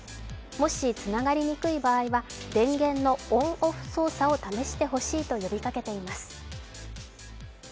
もしつながりにくい場合は電源のオンオフ操作を試してほしいと呼びかけています。